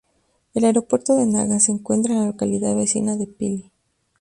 El aeropuerto de Naga se encuentra en la localidad vecina de Pili.